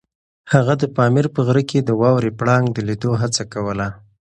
هغه د پامیر په غره کې د واورې پړانګ د لیدو هڅه کوله.